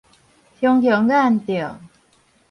雄雄眼著